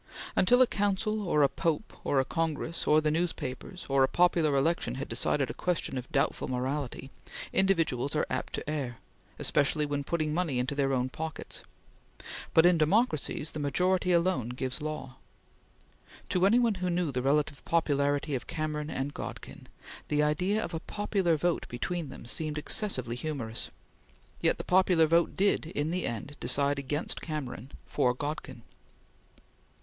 Until a Council or a Pope or a Congress or the newspapers or a popular election has decided a question of doubtful morality, individuals are apt to err, especially when putting money into their own pockets; but in democracies, the majority alone gives law. To any one who knew the relative popularity of Cameron and Godkin, the idea of a popular vote between them seemed excessively humorous; yet the popular vote in the end did decide against Cameron, for Godkin.